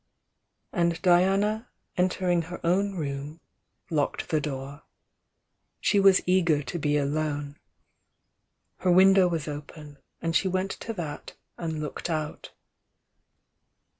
And Diana entering he jwn room, locked the door. She was eager to be alone. Her window was open, and she went to that and looked out.